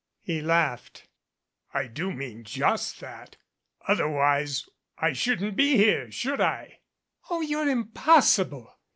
He laughed. "I do mean just that otherwise I shouldn't be here, should I?" "Oh, you're impossible!"